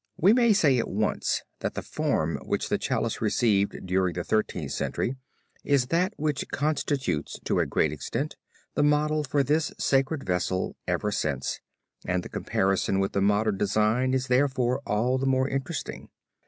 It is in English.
We may say at once that the form which the Chalice received during the Thirteenth Century is that which constitutes to a great extent the model for this sacred vessel ever since and the comparison with the modern design is therefore all the more interesting.